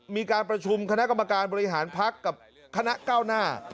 มีการประชุมคณะกรรมการบริหารพักกับคณะเก้าหน้า